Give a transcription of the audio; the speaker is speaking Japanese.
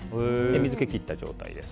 水気を切った状態です。